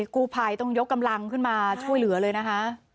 กู้ภัยต้องยกกำลังขึ้นมาช่วยเหลือเลยนะคะ